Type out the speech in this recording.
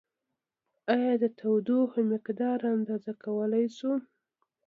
ایا د تودوخې مقدار اندازه کولای شو؟